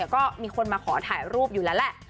ก็มีคนมาขอถ่ายรูปอยู่แล้วแหละ